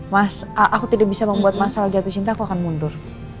mas al aku tidak bisa membuat mas al jatuh cinta aku akan mundur